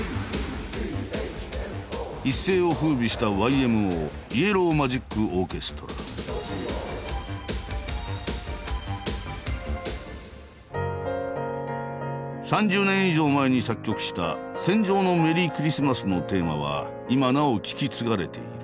一世を風靡した３０年以上前に作曲した「戦場のメリークリスマス」のテーマは今なお聴き継がれている。